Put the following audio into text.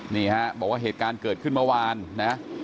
นี่ฮะบอกว่าเหตุการณ์เกิดขึ้นเมื่อวานนะ